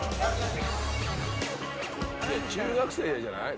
中学生じゃない？